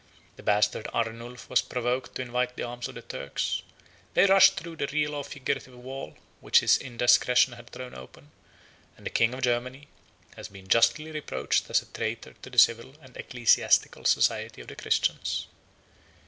The bastard Arnulph was provoked to invite the arms of the Turks: they rushed through the real or figurative wall, which his indiscretion had thrown open; and the king of Germany has been justly reproached as a traitor to the civil and ecclesiastical society of the Christians.